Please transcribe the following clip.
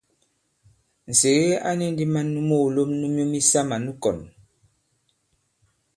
Nsège a ni ndī man nu moòlom nu myu misamà nu kɔ̀n.